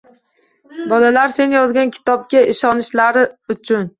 Bolalar sen yozgan kitobga ishonishlari uchun